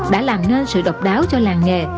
đã làm nên sự độc đáo cho làng nghề